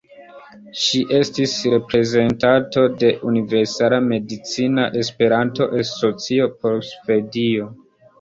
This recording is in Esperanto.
Ŝi estis reprezentanto de Universala Medicina Esperanto-Asocio por Svedio.